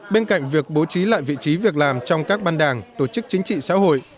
bên cạnh việc bố trí lại vị trí việc làm trong các ban đảng tổ chức chính trị xã hội